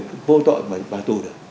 không tội mà vào tù được